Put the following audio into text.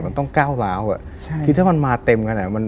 มันต้องก้าวร้าวถ้ามันมาเต็มกัน